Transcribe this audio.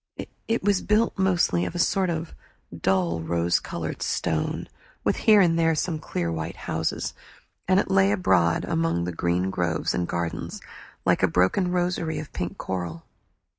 It was built mostly of a sort of dull rose colored stone, with here and there some clear white houses; and it lay abroad among the green groves and gardens like a broken rosary of pink coral.